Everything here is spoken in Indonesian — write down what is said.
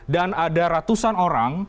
dan ada ratusan orang